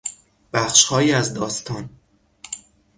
بخشهایی از داستان